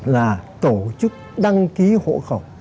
là tổ chức đăng ký hộ khẩu